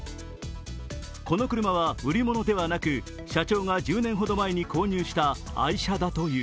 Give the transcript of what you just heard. この車は売り物ではなく、社長が１０年ほど前に購入した愛車だという。